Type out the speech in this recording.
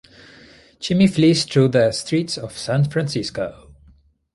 Jimmie flees through the streets of San Francisco.